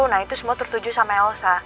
nah itu semua tertuju sama elsa